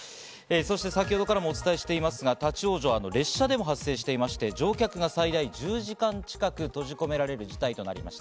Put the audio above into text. そして先ほどからもお伝えしていますが立ち往生で列車でも発生していまして、乗客が最大１０時間近く閉じ込められる事態となりました。